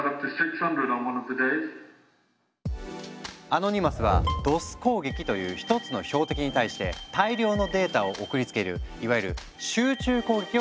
アノニマスは「ＤｏＳ攻撃」という１つの標的に対して大量のデータを送りつけるいわゆる集中攻撃を仕掛けたんだ。